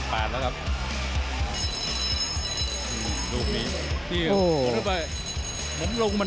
ตามต่อยกที่สองครับ